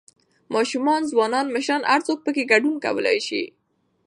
، ماشومان، ځوانان، مشران هر څوک پکې ګډون کولى شي